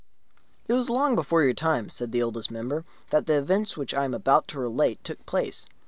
It was long before your time (said the Oldest Member) that the events which I am about to relate took place.